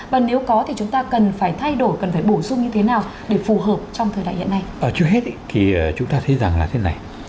trước hết thì chúng ta thấy rằng là thế này